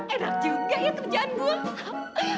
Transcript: enak juga ya kerjaan gue